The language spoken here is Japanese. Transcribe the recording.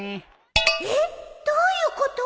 えっ？どういうこと？